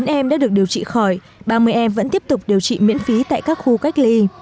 chín em đã được điều trị khỏi ba mươi em vẫn tiếp tục điều trị miễn phí tại các khu cách ly